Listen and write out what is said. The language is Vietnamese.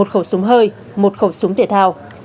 một khẩu súng hơi một khẩu súng thể thao